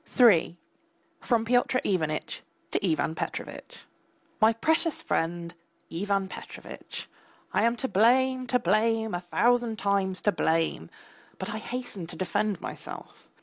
III (FROM PYOTR IVANITCH TO IVAN PETROVITCH) MY PRECIOUS FRIEND, IVAN PETROVITCH, I am to blame, to blame, a thousand times to blame, but I hasten to defend myself.